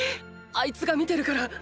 あいつが見てるから。